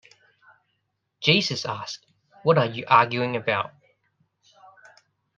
Jesus asks What are you arguing about?